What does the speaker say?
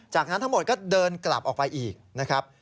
จากนั้นทั้งหมดก็เดินกลับออกไปอีกนะครับ